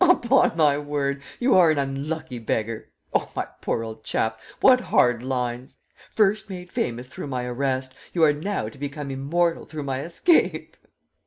Upon my word, you are an unlucky beggar! Oh, my poor old chap, what hard lines! First made famous through my arrest, you are now to become immortal through my escape!"